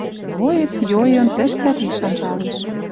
Млоец йойын тӹш дӓ тиш анжалеш —